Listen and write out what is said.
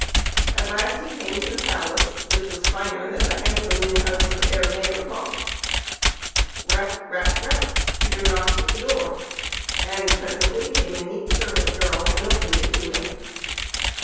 At last he came to the palace, which was finer than the handsome new house of Herr Mayor Kopff. Rap ! rap ! rap ! Peter knocked at the door, and presently came a neat servant girl and opened it to him.